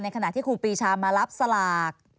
ขณะที่ครูปีชามารับสลาก